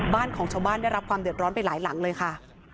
บ้านของชาวบ้านได้รับความเดือดร้อนไปหลายหลังเลยค่ะ